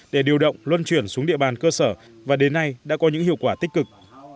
để điều động luân chuyển xuống địa bàn cơ sở và đến nay đã có những hiệu quả tích cực